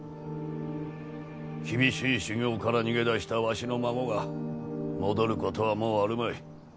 厳しい修業から逃げ出したわしの孫が戻る事はもうあるまい。